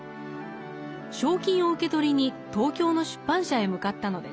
賞金を受け取りに東京の出版社へ向かったのです。